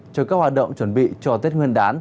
cho các hoạt động chuẩn bị cho tết nguyên đán